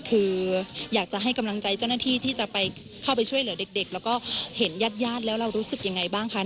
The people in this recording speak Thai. คืออยากจะให้กำลังใจเจ้าหน้าที่ที่จะไปเข้าไปช่วยเหลือเด็กแล้วก็เห็นญาติญาติแล้วเรารู้สึกยังไงบ้างคะ